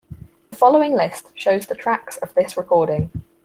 The following list shows the tracks of this recording.